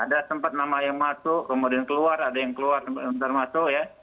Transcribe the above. ada tempat nama yang masuk kemudian keluar ada yang keluar masuk ya